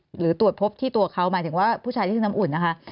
หรือตรวจพบที่ตัวเขาหมายถึงว่าผู้ชายที่ชื่อน้ำอุ่นนะคะ